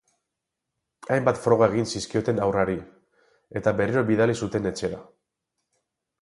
Hainbat froga egin zizkioten haurrari, eta berriro bidali zuten etxera.